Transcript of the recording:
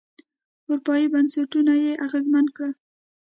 اروپايي بنسټونه یې اغېزمن کړل.